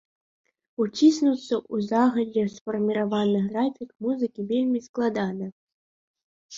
Уціснуцца ў загадзя сфармаваны графік музыкі вельмі складана!